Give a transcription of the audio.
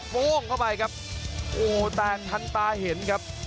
โป้งเข้าไปครับโอ้โหแตกทันตาเห็นครับ